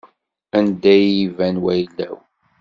Anda i yi-iban wayla-w.